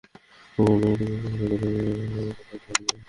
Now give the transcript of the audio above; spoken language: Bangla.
প্রকল্পের মধ্যে কপোতাক্ষ নদের পাশে তালায় পাখিমারা বিলে জলাধার চালু করার কথা।